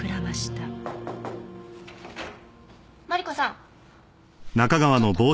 マリコさん